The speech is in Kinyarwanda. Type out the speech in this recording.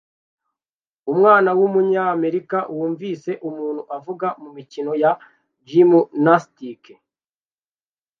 Umwana wumunyamerika wunvise umuntu uvuga mumikino ya gymnastique